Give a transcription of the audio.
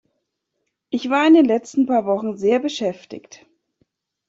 Ich war in den letzten paar Wochen sehr beschäftigt.